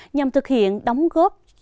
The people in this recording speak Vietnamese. nhằm thực hiện đóng góp tổ chức tài năng